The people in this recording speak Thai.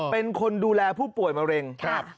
เป็นคนดูแลผู้ป่วยมะเร็งครับ